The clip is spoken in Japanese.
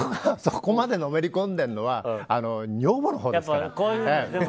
そこまでのめり込んでるのは女房のほうですから。